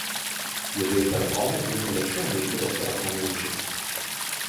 Juodieji tarakonai plinta lėčiau nei kitos tarakonų rūšys.